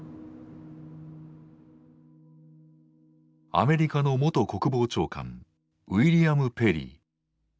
アメリカの元国防長官ウィリアム・ペリー。